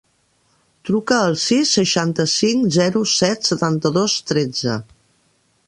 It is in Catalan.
Truca al sis, seixanta-cinc, zero, set, setanta-dos, tretze.